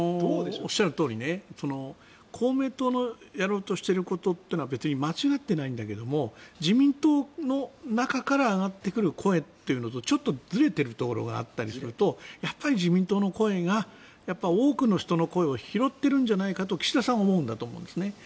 おっしゃるとおり公明党のやろうとしていることは別に間違ってないんだけども自民党の中から上がってくる声というのとちょっとずれてるところがあったりするとやっぱり自民党の声が多くの人の声を拾っているんじゃないかと岸田さんは思うんだと思うんですね。